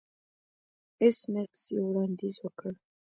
ایس میکس یو وړاندیز وکړ